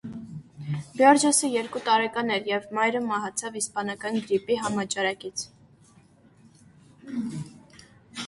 Բյորջեսսը երկու տարեկան էր, երբ մայրը մահացավ իսպանական գրիպի համաճարակից։